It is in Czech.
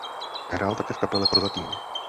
Hrál také v kapele "Prozatím".